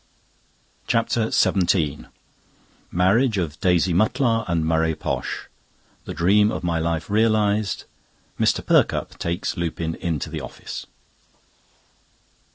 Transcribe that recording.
CHAPTER XVII Marriage of Daisy Mutlar and Murray Posh. The dream of my life realised. Mr. Perkupp takes Lupin into the office.